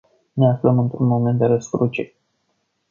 Ne aflăm într-un moment de răscruce.